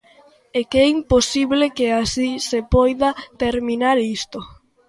É que é imposible que así se poida terminar isto.